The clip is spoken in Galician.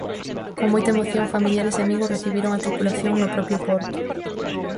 Con moita emoción familiares e amigos recibiron a tripulación no propio porto.